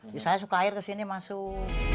biasanya suka air ke sini masuk